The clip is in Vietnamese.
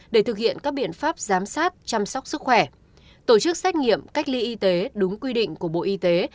để thực hiện các biện pháp giám sát chăm sóc sức khỏe tổ chức xét nghiệm cách ly y tế đúng quy định của bộ y tế